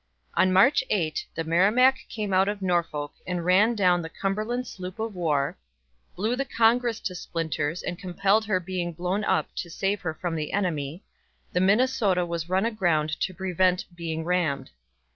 On March 8, the Merrimac came out of Norfolk and ran down the Cumberland sloop of war; blew the Congress to splinters, and compelled her being blown up to save her from the enemy; the Minnesota was run aground to prevent being rammed.